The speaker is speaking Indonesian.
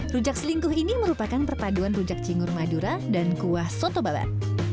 rujak selingkuh ini merupakan perpaduan rujak cingur madura dan kuah soto babat